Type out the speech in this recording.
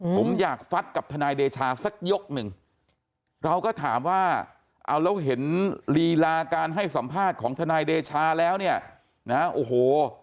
ผมอยากฟัดกับทนายเดชาสักยกหนึ่งเราก็ถามว่าเอาแล้วเห็นลีลาการให้สัมภาษณ์ของทนายเดชาแล้วเนี่ยนะโอ้โห